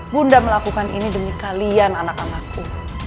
bunda melakukan ini demi kalian anak anakku